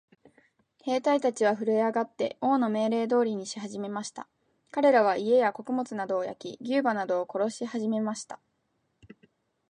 兵隊たちはふるえ上って、王の命令通りにしはじめました。かれらは、家や穀物などを焼き、牛馬などを殺しはじめました。